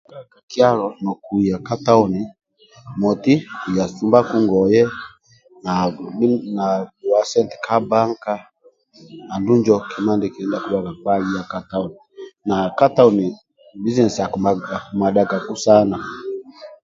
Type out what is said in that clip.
Okutukaga ka kyalo nokuya ka tauni moti ya sumbaku ngoye na bhua sente ka bbanka andulu injo ndia akidhuaga nkpa aya ka tauni na ka tauni bizinesi akimadhagaku sana